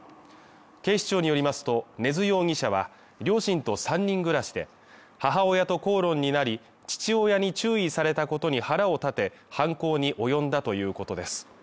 警視庁によりますと、根津容疑者は両親と３人暮らしで、母親と口論になり、父親に注意されたことに腹を立て、犯行に及んだということです。